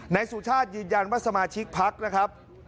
ในสุชาติยืนยันว่าสมาชิกภักดิ์